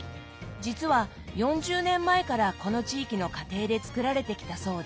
実は４０年前からこの地域の家庭で作られてきたそうです。